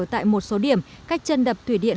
tại một số điểm cách chân đập thủy điện